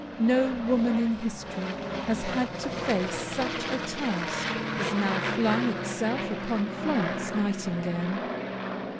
No woman in history has had to face such a task as now flung itself upon Florence Nightingale.